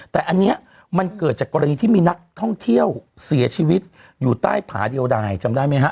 แต่อันนี้มันเกิดจากกรณีที่มีนักท่องเที่ยวเสียชีวิตอยู่ใต้ผาเดียวดายจำได้ไหมฮะ